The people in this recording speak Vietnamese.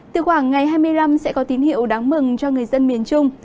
từ khoảng ngày hai mươi năm sẽ có tín hiệu đáng mừng cho người dân miền trung